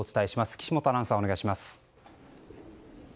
岸本アナウンサー、お願いします。